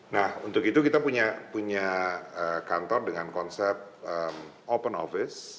nah untuk itu kita punya kantor dengan konsep open office